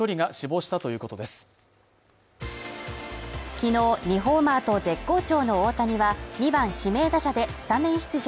昨日２ホーマーと絶好調の大谷は２番・指名打者でスタメン出場。